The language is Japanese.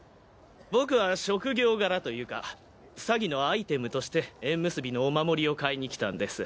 僕は職業柄というか詐欺のアイテムとして縁結びのお守りを買いに来たんです。